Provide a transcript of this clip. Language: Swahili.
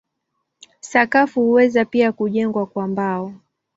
Sakafu huweza pia kujengwa kwa mbao.